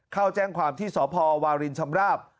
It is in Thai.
เข้าแจ้งความที่สพวารินชำราบ